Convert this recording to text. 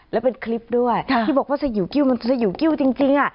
และเป็นคลิปด้วยที่บอกว่าสยิวกิ้วมันสยิวกิ้วจริง